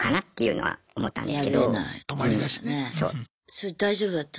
それ大丈夫だった？